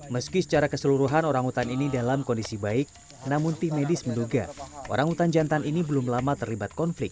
meski secara keseluruhan orangutan ini dalam kondisi baik namun tim medis menduga orang utan jantan ini belum lama terlibat konflik